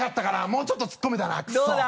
もうちょっと突っ込めたなくそ！